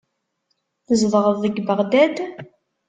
Tzedɣeḍ deg Beɣdad?